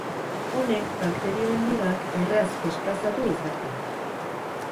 Honek bakterioen ligak erraz desplazatu dezake.